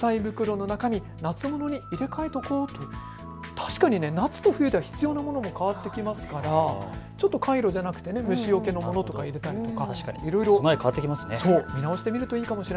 確かに夏と冬では必要なものも変わってきますからカイロじゃなくて虫よけのものとか入れたりとか。